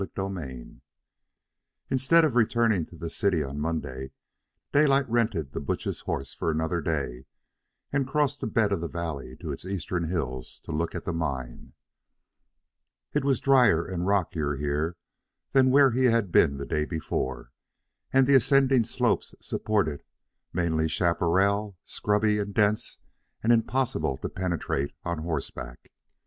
CHAPTER IX Instead of returning to the city on Monday, Daylight rented the butcher's horse for another day and crossed the bed of the valley to its eastern hills to look at the mine. It was dryer and rockier here than where he had been the day before, and the ascending slopes supported mainly chaparral, scrubby and dense and impossible to penetrate on horseback.